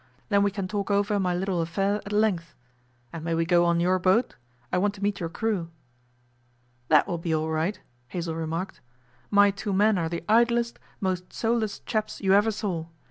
Then we can talk over my little affair at length. And may we go on your boat? I want to meet your crew.' 'That will be all right,' Hazell remarked. 'My two men are the idlest, most soul less chaps you ever saw.